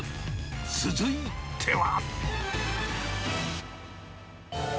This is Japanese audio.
続いては。